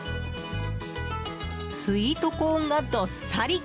スイートコーンが、どっさり！